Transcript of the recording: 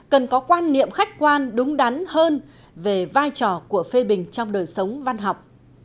cần có quan niệm khách quan đúng đắn hơn về vai trò của phê bình trong đời sống văn học